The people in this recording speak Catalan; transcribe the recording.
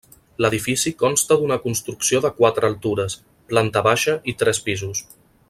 L'edifici consta d'una construcció de quatre altures, planta baixa i tres pisos.